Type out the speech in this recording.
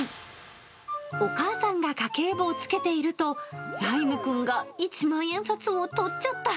お母さんが家計簿をつけていると、来夢くんが一万円札をとっちゃった。